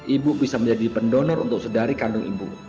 ibu bisa menjadi pendonor untuk sedari kandung ibu